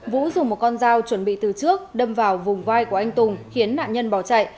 vũ dùng một con dao chuẩn bị từ trước đâm vào vùng vai của anh tùng khiến nạn nhân bỏ chạy